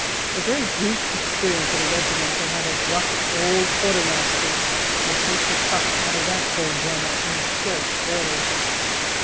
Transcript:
A very brief experience in a regiment that had a gruff old quartermaster would take that tuck out of that Beau Brummell, in short order.